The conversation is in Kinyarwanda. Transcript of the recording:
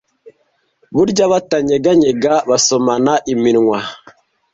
burya batanyeganyega basomana iminwa